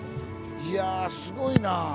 いやすごいなあ。